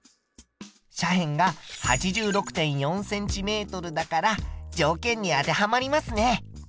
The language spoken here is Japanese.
斜辺が８６．４ｃｍだから条件に当てはまりますね。